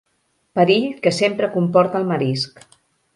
Perill que sempre comporta el marisc.